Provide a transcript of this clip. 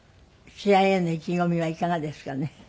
試合への意気込みはいかがですかね？